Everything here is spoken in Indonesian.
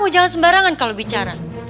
jangan sembarangan kalau bicara